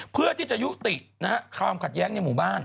เพื่อที่จะยุติความขัดแย้งในหมู่บ้าน